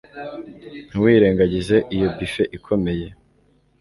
Ntiwirengagize iyi buffet ikomeye